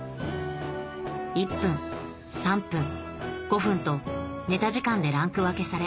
１分３分５分とネタ時間でランク分けされ